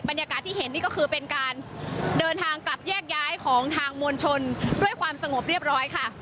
บรรยากาศที่เห็นนี่ก็คือเป็นการเดินทางกลับแยกย้ายของทางมวลชนด้วยความสงบเรียบร้อยค่ะ